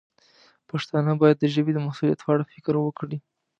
پښتانه باید د ژبې د مسوولیت په اړه فکر وکړي.